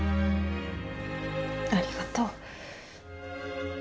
ありがとう。